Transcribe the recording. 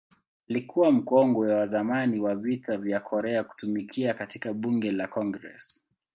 Alikuwa mkongwe wa zamani wa Vita vya Korea kutumikia katika Bunge la Congress.